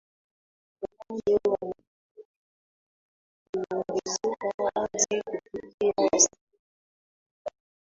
Upande wa Magharibi mvua huongezeka hadi kufikia wastani milimeta